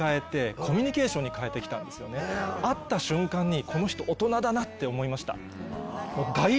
会った瞬間にこの人大人だなって思いました。